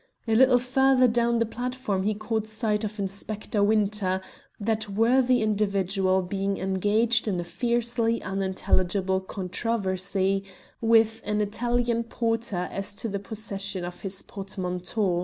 A little further down the platform he caught sight of Inspector Winter, that worthy individual being engaged in a fiercely unintelligible controversy with an Italian porter as to the possession of his portmanteau.